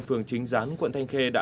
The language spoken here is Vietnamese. với hai nhân viên gắp chắn